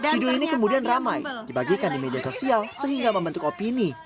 video ini kemudian ramai dibagikan di media sosial sehingga membentuk opini